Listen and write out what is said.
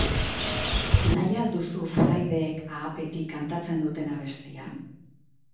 Nahi al duzu fraideek ahapetik kantatzen duten abestia?